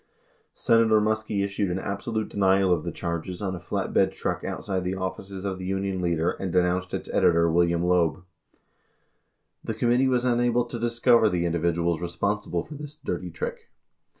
95 Senator Muskie issued an absolute denial of the charges on a flatbed truck outside the offices of the Union Leader and denounced its editor, William Loeb. The committee was unable to discover the individuals responsible for this "dirty trick."